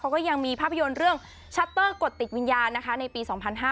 ก็ยังมีภาพยนตร์เรื่องชัตเตอร์กดติดวิญญาณนะคะในปี๒๕๕๙